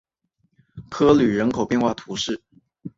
科吕人口变化图示